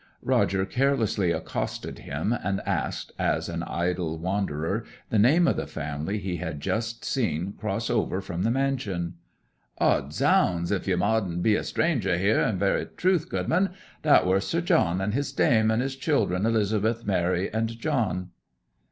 Roger carelessly accosted him, and asked, as an idle wanderer, the name of the family he had just seen cross over from the mansion. 'Od zounds! if ye modden be a stranger here in very truth, goodman. That wer Sir John and his dame, and his children Elizabeth, Mary, and John.'